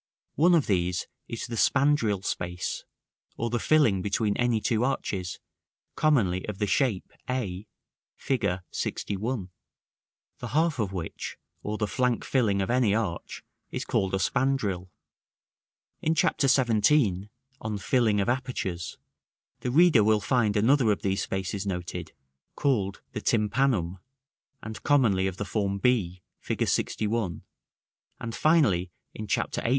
One of these is the spandril space, or the filling between any two arches, commonly of the shape a, Fig. LXI.; the half of which, or the flank filling of any arch, is called a spandril. In Chapter XVII., on Filling of Apertures, the reader will find another of these spaces noted, called the tympanum, and commonly of the form b, Fig. LXI.: and finally, in Chapter XVIII.